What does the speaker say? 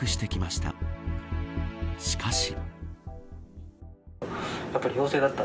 しかし。